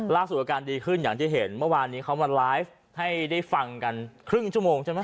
อาการดีขึ้นอย่างที่เห็นเมื่อวานนี้เขามาไลฟ์ให้ได้ฟังกันครึ่งชั่วโมงใช่ไหม